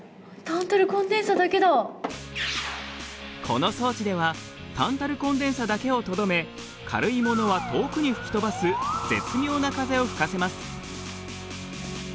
この装置ではタンタルコンデンサだけをとどめ軽いものは遠くに吹き飛ばす絶妙な風を吹かせます。